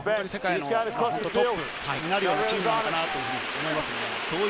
世界のトップになるようなチームなのかなと思います。